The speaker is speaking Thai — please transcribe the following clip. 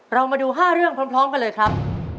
เรามาดู๕เรื่องพร้อมกันเลยครับ